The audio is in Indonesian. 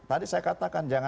tadi saya katakan